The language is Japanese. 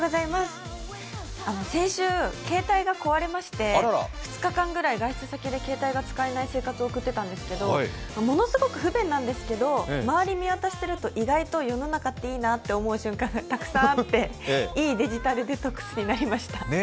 先週、携帯が壊れまして２日間ぐらい外出先で携帯が使えない生活を送ってたんですけどものすごく不便なんですけど周り見渡してみると意外と世の中っていいなって思う瞬間がたくさんあっていいデジタルデトックスになりました。